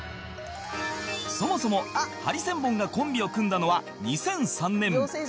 そもそもハリセンボンがコンビを組んだのは２００３年